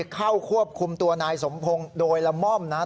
เข้าควบคุมตัวนายสมพงศ์โดยละม่อมนะครับ